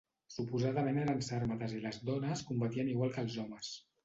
Suposadament eren sàrmates i les dones combatien igual que els homes.